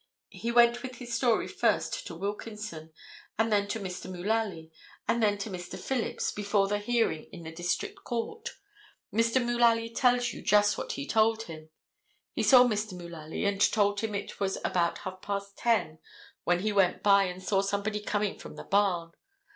He went with his story first to Wilkinson and then to Mr. Mullaly and then to Mr. Phillips before the hearing in the district court. Mr. Mullaly tells you just what he told him. He saw Mr. Mullaly and told him it was about half past 10 when he went by and saw somebody coming from the barn.